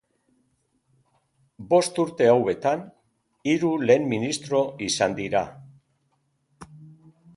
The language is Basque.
Bost urte hauetan, hiru lehen ministro izan dira.